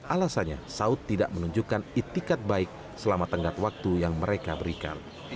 alasannya saud tidak menunjukkan itikat baik selama tenggat waktu yang mereka berikan